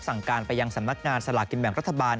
สั่งการไปยังสำนักงานสลากินแบ่งรัฐบาล